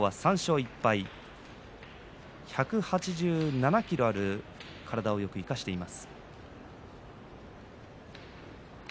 １８７ｋｇある体をよく生かしています。